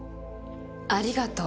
ありがとう。